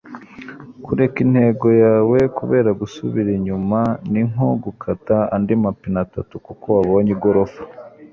kureka intego yawe kubera gusubira inyuma ni nko gukata andi mapine atatu kuko wabonye igorofa